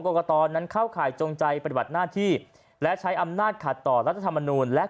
กตนั้นเข้าข่ายจงใจปฏิบัติหน้าที่และใช้อำนาจขัดต่อรัฐธรรมนูลและ